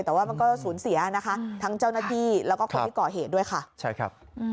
แต่ว่ามันก็สูญเสียนะคะทั้งเจ้าหน้าที่แล้วก็คนที่ก่อเหตุด้วยค่ะใช่ครับ